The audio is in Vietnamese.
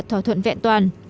thỏa thuận vẹn toàn